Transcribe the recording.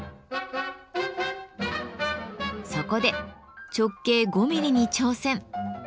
そこで直径５ミリに挑戦。